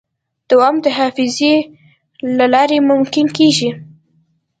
دوام د حافظې له لارې ممکن کېږي.